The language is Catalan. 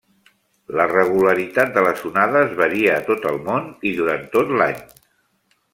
La regularitat de les onades varia a tot el món i durant tot l'any.